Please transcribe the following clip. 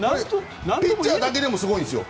ピッチャーだけでもすごいんですよ。